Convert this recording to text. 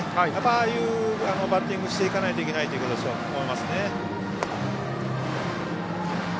ああいうバッティングしていかないといけないと思いますね。